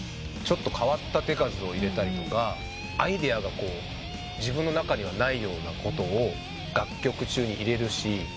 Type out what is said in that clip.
ちょっと変わった手数を入れたりアイデアが自分の中にはないようなことを楽曲中に入れるし。